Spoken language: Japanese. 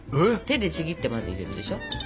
手でちぎってまず入れるでしょ。